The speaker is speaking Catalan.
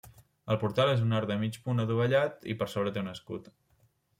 El portal és un arc de mig punt adovellat i per sobre té un escut.